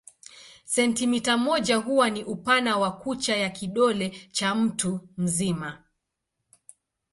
Sentimita moja huwa ni upana wa kucha ya kidole cha mtu mzima.